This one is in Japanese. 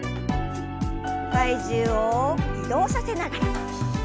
体重を移動させながら。